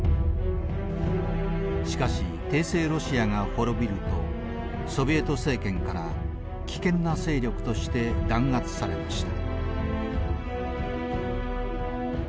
しかし帝政ロシアが滅びるとソビエト政権から危険な勢力として弾圧されました。